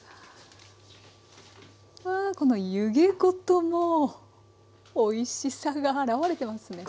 わあこの湯気ごともうおいしさがあらわれてますね。